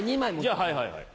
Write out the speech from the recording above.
じゃあはいはいはい。